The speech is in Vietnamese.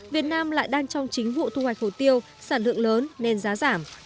việt nam lại đang trong chính vụ thu hoạch hồ tiêu sản lượng lớn nên giá giảm